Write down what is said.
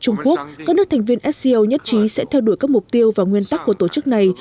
trung quốc các nước thành viên sco nhất trí sẽ theo đuổi các mục tiêu và nguyên tắc của tổ chức này